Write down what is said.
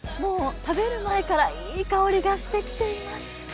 食べる前からいい香りがしてきています。